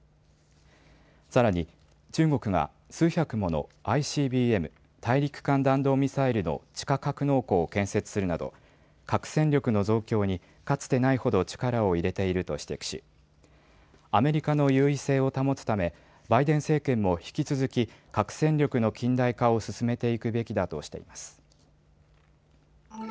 さらに、中国が数百ものＩＣＢＭ・大陸間弾道ミサイルの地下格納庫を建設するなど核戦力の増強にかつてないほど力を入れていると指摘し、アメリカの優位性を保つためバイデン政権も引き続き核戦力の近代化を進めていくべきだとしています。